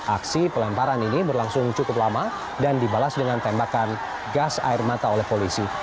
aksi pelemparan ini berlangsung cukup lama dan dibalas dengan tembakan gas air mata oleh polisi